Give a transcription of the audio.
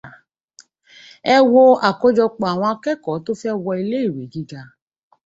Ẹ wo àkójọpọ̀ àwọn akẹ́kọ̀ọ́ tọ́ fẹ́ wọ iléèwé gíga.